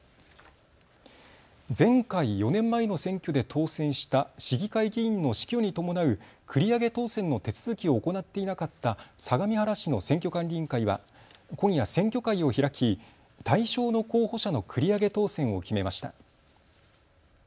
前回４年前の選挙で当選した市議会議員の死去に伴う繰り上げ当選の手続きを行っていなかった相模原市の選挙管理委員会は今夜、選挙会を開き、対象の候補者の繰り上げ当選を決めました。